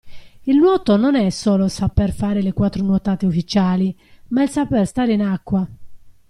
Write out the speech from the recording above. Il nuoto non è solo sapere fare le quattro nuotate ufficiali, ma è il saper stare in acqua.